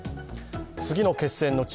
次の決戦の地・